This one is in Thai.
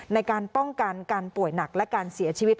ในการป้องกันการป่วยหนักและการเสียชีวิต